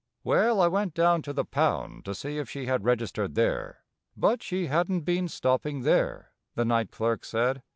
Well, I went down to the pound to see if she had registered there, but she hadn't been stopping there, the night clerk said.